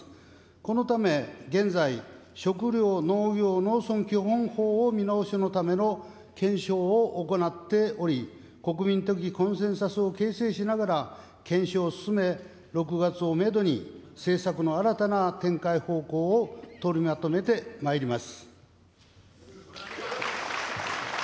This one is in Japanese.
このため、現在、食料農業農村基本法を見直すための検証を行っており、国民的コンセンサスを形成しながら、検証を進め、６月をメドに、政策の新たな展開方向を取りまとめてまいります。